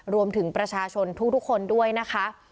รวมถึงประชาชนทุกคนด้วยนะคะ